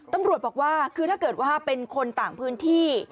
ตำรวจบอกว่าคือถ้าเกิดว่าเป็นคนต่างพื้นที่